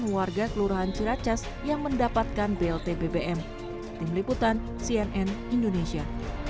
enam ratus dua puluh delapan warga kelurahan ciracas yang mendapatkan blt bbm tim liputan cnn indonesia